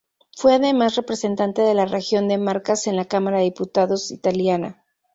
Fue además representante de la Región de Marcas en la Cámara de Diputados italiana.